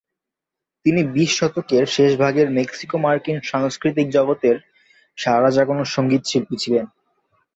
তিনি বিশ শতকের শেষ ভাগের মেক্সিকো-মার্কিন সাংস্কৃতিক জগতের সাড়া জাগানো সংগীত শিল্পী ছিলেন।